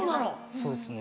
そうですね